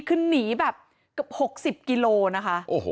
คือหนีแบบกับหกสิบกิโลนะคะโอ้โห